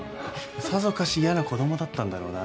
さぞかし嫌な子供だったんだろうな。